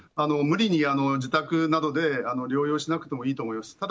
無理に自宅などで療養しなくてもいいと思います。